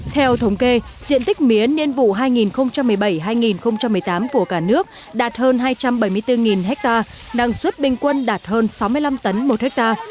theo thống kê diện tích mía niên vụ hai nghìn một mươi bảy hai nghìn một mươi tám của cả nước đạt hơn hai trăm bảy mươi bốn ha năng suất bình quân đạt hơn sáu mươi năm tấn một ha